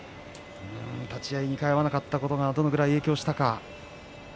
立ち合い２回合わなかったことがどの程度影響したか。